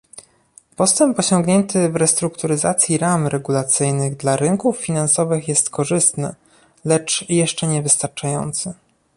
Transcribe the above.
Postęp osiągnięty w restrukturyzacji ram regulacyjnych dla rynków finansowych jest korzystny, lecz jeszcze niewystarczający